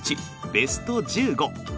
ベスト１５！